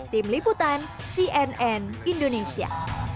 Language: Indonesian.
tim liputan cnn indonesia